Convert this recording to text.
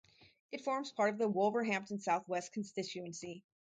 It forms part of the Wolverhampton South West constituency.